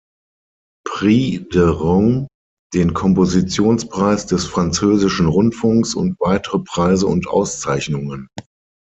Prix de Rome, den Kompositionspreis des französischen Rundfunks und weitere Preise und Auszeichnungen.